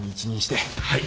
はい。